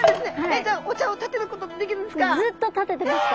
じゃあお茶をたてることもできるんですか？